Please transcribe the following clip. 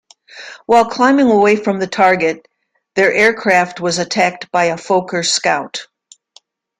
While climbing away from the target, their aircraft was attacked by a Fokker scout.